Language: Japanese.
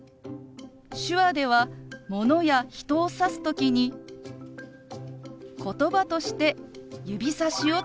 手話ではものや人を指す時にことばとして指さしを使います。